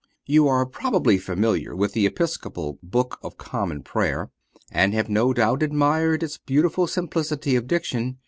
You are probably familiar with the Episcopal Book of Common Prayer, and have no doubt admired its beautiful simplicity of diction.